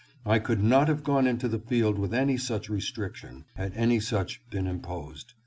I could not have gone into the field with any such restriction, had any such been imposed.